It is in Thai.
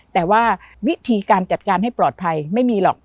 แต่ว่าวิธีการจัดการให้ปลอดภัยไม่มีหรอก